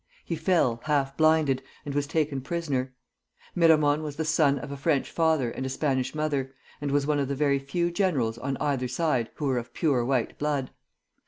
He fell, half blinded, and was taken prisoner. Miramon was the son of a French father and a Spanish mother, and was one of the very few generals on either side who were of pure white blood.